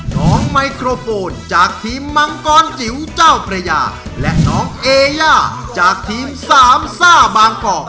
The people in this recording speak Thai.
ไมโครโฟนจากทีมมังกรจิ๋วเจ้าพระยาและน้องเอย่าจากทีมสามซ่าบางกอก